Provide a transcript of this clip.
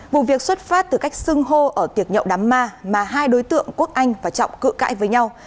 vụ việc xuất phát từ cách sưng hô ở tiệc nhậu đám ma mà hai đối tượng quốc anh và trọng cự cãi với nhau